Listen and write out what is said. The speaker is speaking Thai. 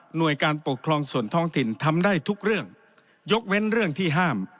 โดยการปกครองส่วนท้องถิ่นทำได้ทุกเรื่องยกเว้นเรื่องที่ห้าม